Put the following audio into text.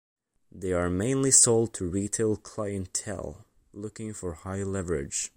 They are mainly sold to a retail clientele looking for high leverage.